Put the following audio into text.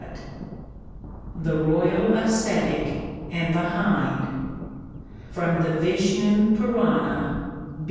IV. THE ROYAL ASCETIC AND THE HIND. _From the Vishnu Purana.